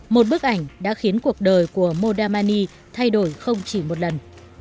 một bức ảnh đã khiến cuộc đời của modamani thay đổi không chỉ một lần